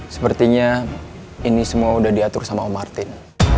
sepertinya ini semua udah diatur sama martin